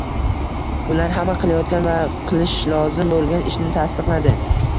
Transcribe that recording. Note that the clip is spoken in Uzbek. Ular hamma qilayotgan va qilishi lozim bo‘lgan ishni tasdiqladi